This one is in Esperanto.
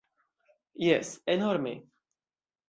Jes, enorme!